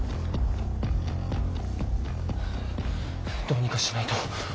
どうにかしないと。